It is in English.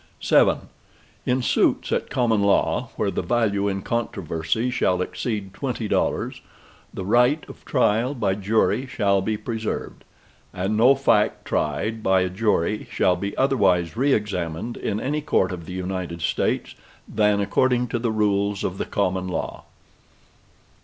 VII In suits at common law, where the value in controversy shall exceed twenty dollars, the right of trial by jury shall be preserved, and no fact tried by a jury shall be otherwise re examined in any court of the United States, than according to the rules of the common law.